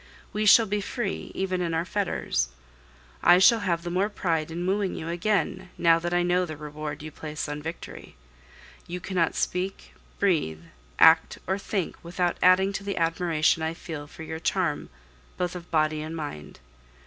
We shall be free even in our fetters. I shall have the more pride in wooing you again now that I know the reward you place on victory. You cannot speak, breathe, act, or think, without adding to the admiration I feel for your charm both of body and mind.